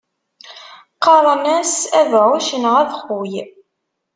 Qqaren-as abɛuc neɣ abexxuy.